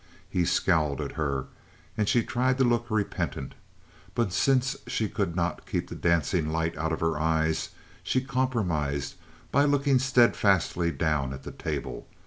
He scowled at her, and she tried to look repentant, but since she could not keep the dancing light out of her eyes, she compromised by looking steadfastly down at the table.